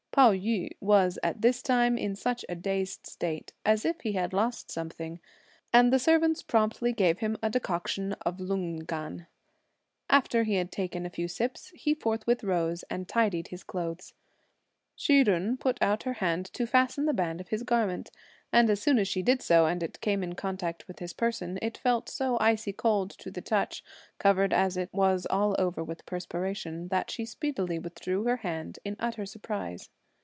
Pao yü was, at this time, in such a dazed state, as if he had lost something, and the servants promptly gave him a decoction of lungngan. After he had taken a few sips, he forthwith rose and tidied his clothes. Hsi Jen put out her hand to fasten the band of his garment, and as soon as she did so, and it came in contact with his person, it felt so icy cold to the touch, covered as it was all over with perspiration, that she speedily withdrew her hand in utter surprise.